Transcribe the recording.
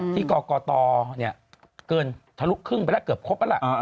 กรกตเกินทะลุครึ่งไปแล้วเกือบครบแล้วล่ะ